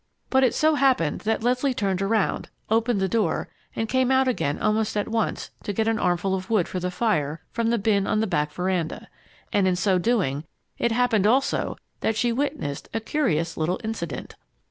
But it so happened that Leslie turned around, opened the door, and came out again almost at once to get an armful of wood for the fire from the bin on the back veranda. And in so doing, it happened also that she witnessed a curious little incident.